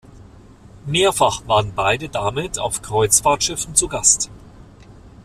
Mehrfach waren beide damit auf Kreuzfahrtschiffen zu Gast.